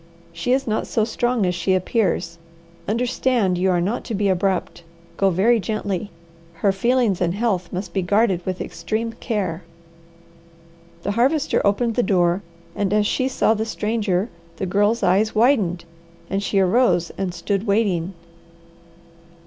She is not so strong as she appears. Understand you are not to be abrupt. Go very gently! Her feelings and health must be guarded with extreme care." The Harvester opened the door, and as she saw the stranger, the Girl's eyes widened, and she arose and stood waiting.